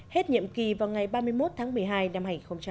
hết nhiệm kỳ vào ngày ba mươi một tháng một mươi hai năm hai nghìn một mươi bảy